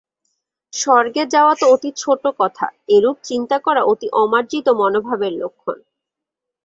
স্বর্গে যাওয়া তো অতি ছোট কথা, এরূপ চিন্তা করা অতি অমার্জিত মনোভাবের লক্ষণ।